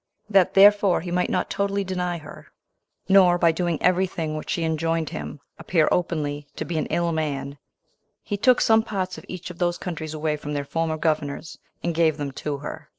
That therefore he might not totally deny her, nor, by doing every thing which she enjoined him, appear openly to be an ill man, he took some parts of each of those countries away from their former governors, and gave them to her.